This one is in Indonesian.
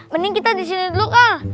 mending kita di sini dulu ah